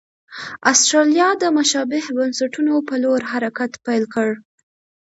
اسټرالیا د مشابه بنسټونو په لور حرکت پیل کړ.